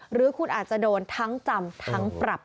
หรือคุณอาจจะโดนทั้งจำทั้งปรับ